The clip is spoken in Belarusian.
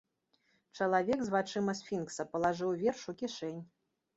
Чалавек з вачыма сфінкса палажыў верш у кішэнь.